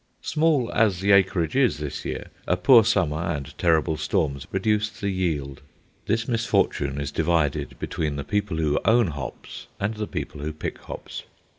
Small as the acreage is this year, a poor summer and terrible storms reduced the yield. This misfortune is divided between the people who own hops and the people who pick hops.